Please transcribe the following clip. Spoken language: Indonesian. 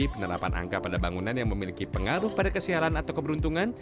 penerapan angka pada bangunan yang memiliki pengaruh pada kesiaran atau keberuntungan